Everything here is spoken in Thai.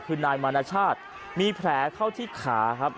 คือนายมานาชาติมีแผลเข้าที่ขาครับ